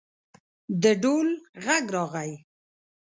د ډول غږ راغی.